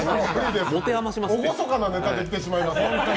おごそかなネタでできてしまいます。